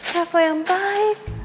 reva yang baik